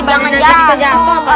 biar nggak jadi jatuh apa